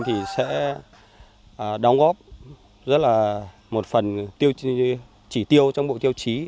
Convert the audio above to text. thì sẽ đóng góp rất là một phần chỉ tiêu trong bộ tiêu chí